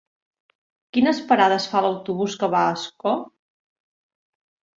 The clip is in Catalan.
Quines parades fa l'autobús que va a Ascó?